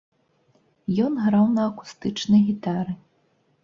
Ён граў на акустычнай гітары.